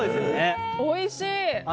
おいしい！